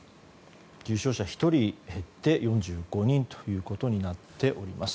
重症者１人減って４５人ということになっております。